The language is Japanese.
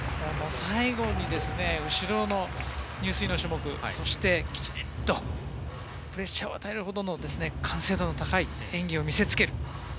最後に後ろの入水の種目そして、きちっとプレッシャーを与えるほどの完成度の高い演技を見せつける。